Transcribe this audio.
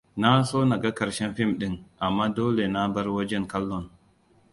Na so naga ƙarshen fim ɗin, amma dole na bar wajen kallon.